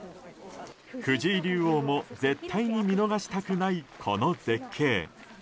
藤井竜王も絶対に見逃したくないこの絶景。